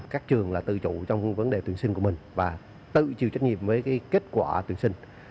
các trường là tự chủ trong vấn đề tuyển sinh của mình và tự chịu trách nhiệm với kết quả tuyển sinh